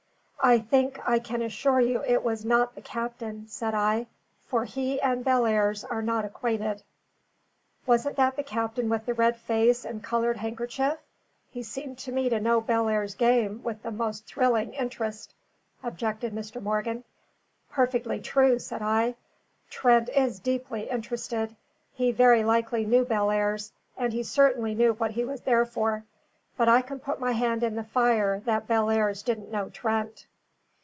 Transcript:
"I think I can assure you it was not the captain," said I; "for he and Bellairs are not acquainted." "Wasn't that the captain with the red face and coloured handkerchief? He seemed to me to follow Bellairs's game with the most thrilling interest," objected Mr. Morgan. "Perfectly true," said I; "Trent is deeply interested; he very likely knew Bellairs, and he certainly knew what he was there for; but I can put my hand in the fire that Bellairs didn't know Trent."